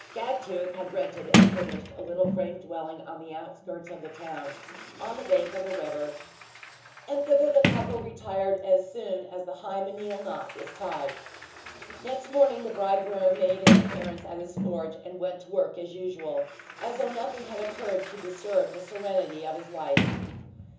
Gagtooth had rented and furnished a little frame dwelling on the outskirts of the town, on the bank of the river; and thither the couple retired as soon as the hymeneal knot was tied. Next morning the bridegroom made his appearance at his forge and went to work as usual, as though nothing had occurred to disturb the serenity of his life.